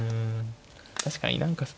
確かに何か。